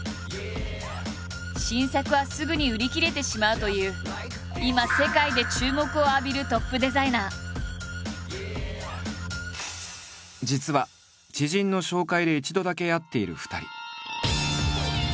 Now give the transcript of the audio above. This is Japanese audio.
新作はすぐに売り切れてしまうという今世界で注目を浴びる実は知人の紹介で一度だけ会っている２人。